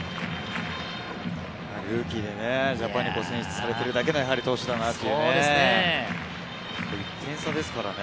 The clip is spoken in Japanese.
ルーキーでジャパンに選出されているだけの投手だなという感じですね。